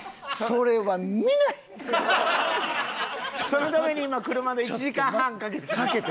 そのために今車で１時間半かけて来ました。